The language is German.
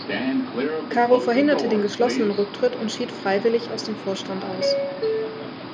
Caro verhinderte den geschlossenen Rücktritt und schied „freiwillig“ aus dem Vorstand aus.